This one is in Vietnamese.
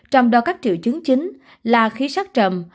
trong đó các triệu chứng chính là khí sắc trầm